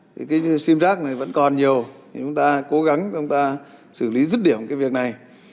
thì cái sim rac này vẫn còn nhiều chúng ta cố gắng chúng ta xử lý dứt điểm cái việc này